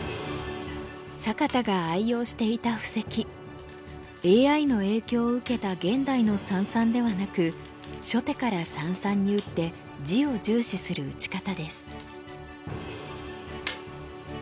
坂田が愛用していた布石ＡＩの影響を受けた現代の三々ではなく初手から三々に打って地を重視する打ち方です。